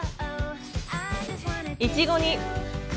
いちごに。